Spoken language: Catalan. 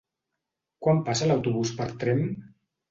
Quan passa l'autobús per Tremp?